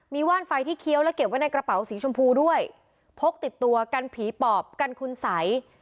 มีว่านไฟที่เคี้ยวและเก็บไว้ในกระเป๋าสีชมพูด้วยพกติดตัวกันผีปอบกันคุณสัย